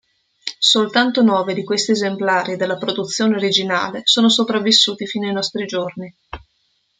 Soltanto nove di questi esemplari della produzione originale sono sopravvissuti fino ai nostri giorni.